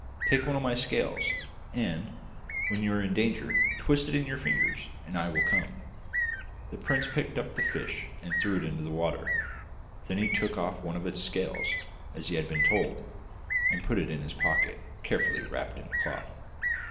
Take one of my scales, and when you are in danger twist it in your fingers, and I will come!' The prince picked up the fish and threw it into the water; then he took off one of its scales, as he had been told, and put it in his pocket, carefully wrapped in a cloth.